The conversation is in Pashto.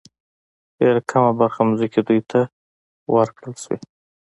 ډېره کمه برخه ځمکې دوی ته ورکړل شوې.